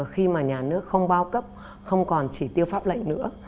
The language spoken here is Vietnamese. khi mà nhà nước không bao cấp không còn chỉ tiêu pháp lệnh nữa